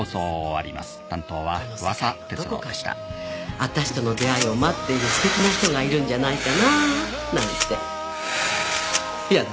この世界のどこかに私との出会いを待っているステキな人がいるんじゃないかなぁなんてやだ